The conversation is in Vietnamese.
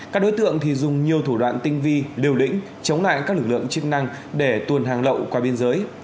các đối tượng thì dùng nhiều thủ đoạn tinh vi liều lĩnh chống lại các lực lượng chức năng để tuồn hàng lậu qua biên giới